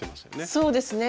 そうですね。